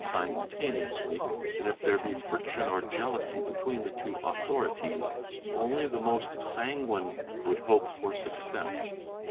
simultaneously, and if there be friction or jealousy between the two authorities, only the most sanguine would hope for success.